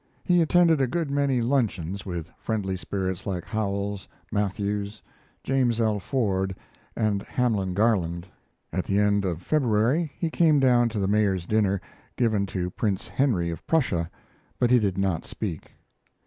He attended a good many luncheons with friendly spirits like Howells, Matthews, James L. Ford, and Hamlin Garland. At the end of February he came down to the Mayor's dinner given to Prince Henry of Prussia, but he did not speak.